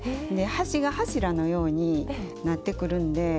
端が柱のようになってくるんで。